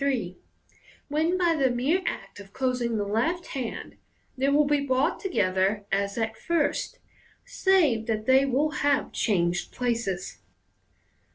3), when by the mere act of closing the left hand they will be brought together as at first, save that they will have changed places.